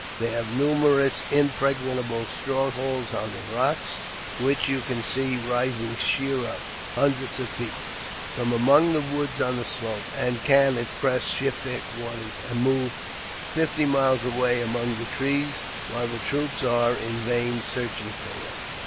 They have numerous, impregnable strongholds on the rocks; which you can see rising sheer up hundreds of feet, from among the woods on the slopes; and can, if pressed, shift their quarters, and move fifty miles away among the trees, while the troops are, in vain, searching for them."